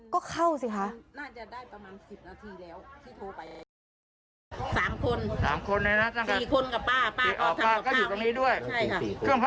ก็เข้าสิคะ